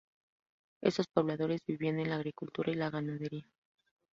Estos pobladores vivían de la agricultura y de la ganadería.